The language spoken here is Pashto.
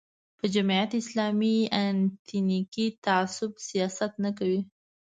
یا جمعیت اسلامي د اتنیکي تعصب سیاست نه کوي.